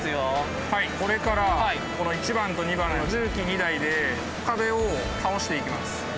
これからこの１番と２番の重機２台で壁を倒していきます。